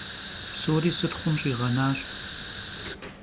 Psori sıtxhum ş'iğenaş.